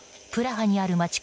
プラハにある町